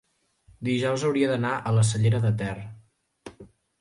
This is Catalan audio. dijous hauria d'anar a la Cellera de Ter.